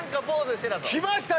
きましたね！